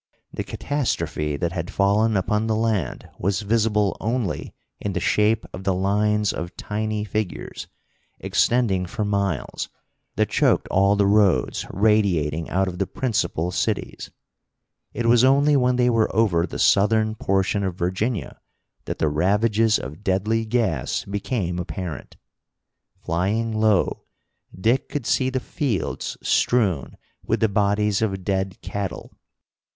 The catastrophe that had fallen upon the land was visible only in the shape of the lines of tiny figures, extending for miles, that choked all the roads radiating out of the principal cities. It was only when they were over the southern portion of Virginia that the ravages of deadly gas became apparent. Flying low, Dick could see the fields strewn with the bodies of dead cattle.